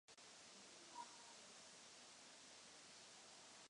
Velkou část vinice zničila také stavba nové silnice a práce v nedalekém kamenolomu.